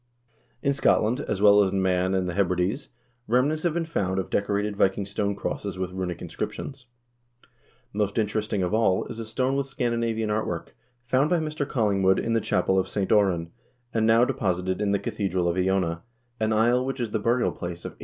In Scotland, as well as in Man and the Hebrides, remnants have been found of decorated Viking stone crosses with runic inscriptions. "Most interesting of all is a stone with Scandinavian art work, found by Mr. Collingwood in the chapel of St. Oran, and now deposited in the cathedral of Iona, an isle which is the burial place of eight 1 Islandske Annaler, edited by Gustav Storm ; 1222, I.